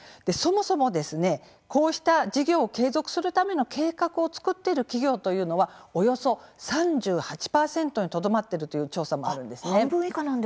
そもそも、こうした事業を継続をするための計画を作っている企業はおよそ３８％にとどまっているという調査もあるんです。